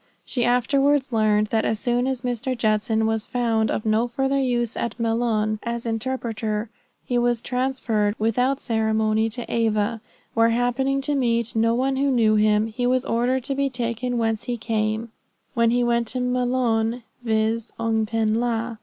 She afterwards learned that as soon as Mr. Judson was found of no farther use at Maloun as interpreter he was transferred without ceremony to Ava, where happening to meet no one who knew him, he was ordered to be taken whence he came, when he went to Maloun, viz: Oung pen la.